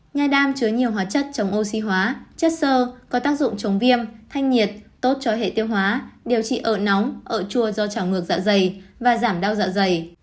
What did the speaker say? nha đam chứa nhiều hóa chất chống oxy hóa chất sơ có tác dụng chống viêm thanh nhiệt tốt cho hệ tiêu hóa điều trị ợt nóng ợt chua do chảo ngược dạ dày và giảm đau dạ dày